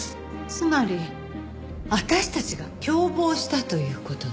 つまり私たちが共謀したという事ね？